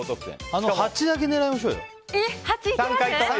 あの８だけ狙いましょうよ。